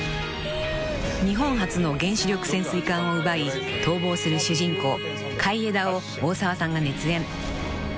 ［日本初の原子力潜水艦を奪い逃亡する主人公海江田を大沢さんが熱演。